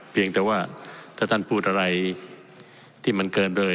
เพียงแต่ว่าถ้าท่านพูดอะไรที่มันเกินไป